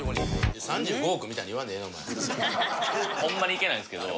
ホンマに行けないんですけど